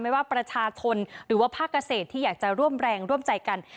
ว่าประชาชนหรือว่าภาคเกษตรที่อยากจะร่วมแรงร่วมใจกัน